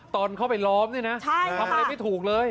ทำอะไรไม่ถูกเลย